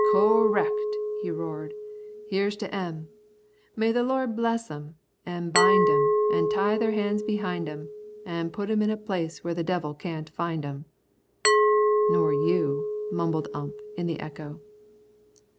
"Correct," he roared. "Here's to 'em. May the Lord bless 'em, an' bind 'em, an' tie their hands behind 'em, an' put 'em in a place where the devil can't find 'em." "Nor you," mumbled Ump in the echo.